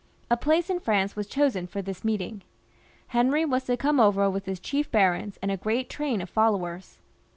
A place in France was chosen for this meeting. Henry was to come over with his chief barons, and a great train of followers.